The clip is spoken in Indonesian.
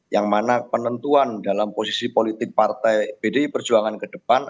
yang mana penentuan dalam posisi politik partai bdi perjuangan ke depan